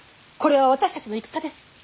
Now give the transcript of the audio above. これは私たちの戦です。